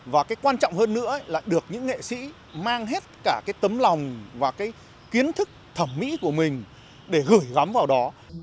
và cái quan trọng hơn nữa là được những nghệ sĩ mang hết cả cái tấm lòng và cái kiến thức thẩm mỹ của mình để gửi gắm vào đó